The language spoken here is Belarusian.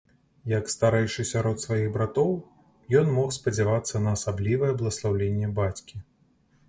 Як старэйшы сярод сваіх братоў, ён мог спадзявацца на асаблівае бласлаўленне бацькі.